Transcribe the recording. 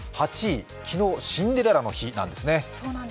８位、昨日、シンデレラの日なんですね。